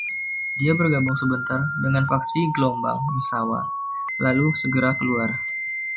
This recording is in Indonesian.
Dia bergabung sebentar dengan faksi "Gelombang" Misawa, lalu segera keluar.